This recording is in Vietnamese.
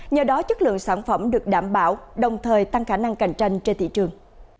nhờ đó chất lượng sản phẩm được đảm bảo đồng thời tăng khả năng cạnh tranh trên thị trường